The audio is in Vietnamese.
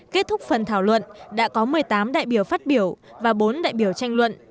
kết thúc phần thảo luận đã có một mươi tám đại biểu phát biểu và bốn đại biểu tranh luận